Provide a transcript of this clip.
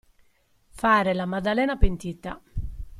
Fare la maddalena pentita.